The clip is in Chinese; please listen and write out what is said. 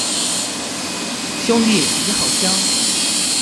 兄弟，你好香